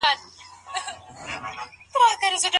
که خلګ پيغورونه پريږدي ژوند به اسانه سي.